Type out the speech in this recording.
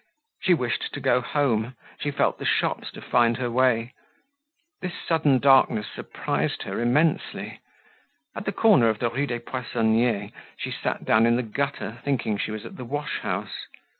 She wished to go home; she felt the shops to find her way. This sudden darkness surprised her immensely. At the corner of the Rue des Poissonniers, she sat down in the gutter thinking she was at the wash house.